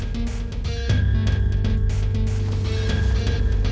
jangan buat kekal